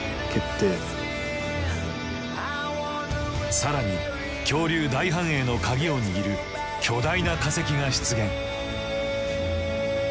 更に恐竜大繁栄の鍵を握る巨大な化石が出現。